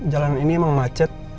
jalan ini emang macet